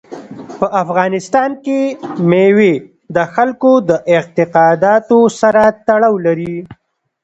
په افغانستان کې مېوې د خلکو د اعتقاداتو سره تړاو لري.